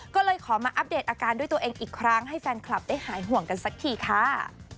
ก็เลยขอมาอัปเดตอาการด้วยตัวเองอีกครั้งให้แฟนคลับได้หายห่วงกันสักทีค่ะ